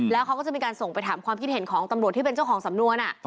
แล้วเขาก็จะมีการส่งไปถามความคิดเห็นของตำรวจที่เป็นเจ้าของสำนวน